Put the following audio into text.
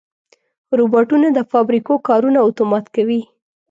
روبوټونه د فابریکو کارونه اتومات کوي.